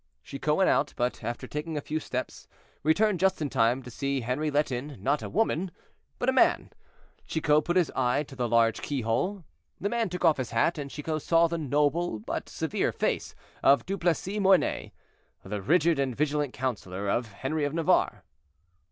Chicot went out; but, after taking a few steps, returned just in time to see Henri let in—not a woman, but a man. Chicot put his eye to the large keyhole. The man took off his hat, and Chicot saw the noble but severe face of Duplessis Mornay, the rigid and vigilant counselor of Henri of Navarre.